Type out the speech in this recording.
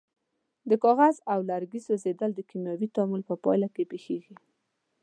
د کاغذ او لرګي سوځیدل د کیمیاوي تعامل په پایله کې پیښیږي.